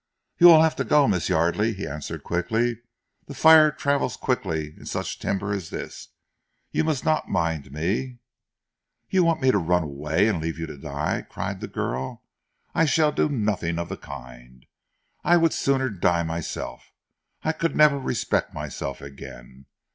"You will have to go, Miss Yardely," he answered quickly. "The fire travels quickly in such timber as this. You must not mind me " "You want me to run away and leave you to die," cried the girl. "I shall do nothing of the kind. I would sooner die myself! I could never respect myself again.